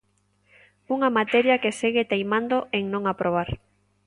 Unha materia que segue teimando en non aprobar.